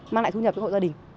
mang lại thu nhập cho hộ gia đình